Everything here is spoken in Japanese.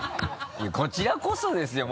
いやこちらこそですよ